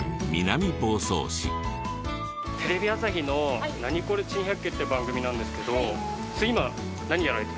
テレビ朝日の『ナニコレ珍百景』っていう番組なんですけどそれ